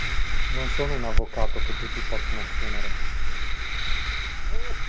Non sono un avvocato che tutti possono assumere.